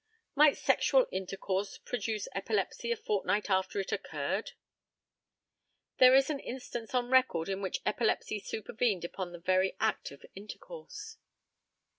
Might sexual intercourse produce epilepsy a fortnight after it occurred? There is an instance on record in which epilepsy supervened upon the very act of intercourse.